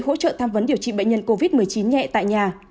hỗ trợ tham vấn điều trị bệnh nhân covid một mươi chín nhẹ tại nhà